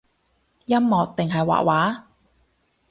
音樂定係畫畫？